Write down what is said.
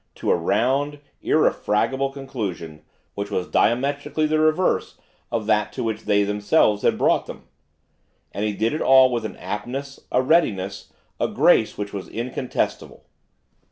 to a round, irrefragable conclusion, which was diametrically the reverse of that to which they themselves had brought them. And he did it all with an aptness, a readiness, a grace, which was incontestable.